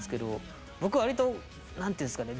僕割と何ていうんですかね